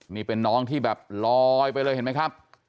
นี่เป็นน้องที่แบบลอยไปเลยเห็นไหมครับ